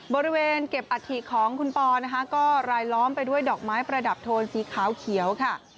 บริเวณเก็บอัฐิของคุณปอนะคะก็รายล้อมไปด้วยดอกไม้ประดับโทนสีขาวเขียวค่ะ